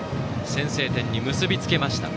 先制点に結び付けました。